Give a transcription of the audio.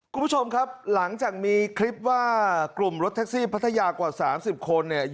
คุณผู้ชมครับหลังจากมีคลิปว่ากลุ่มรถแท็กซี่พัทยากว่า๓๐คนเนี่ย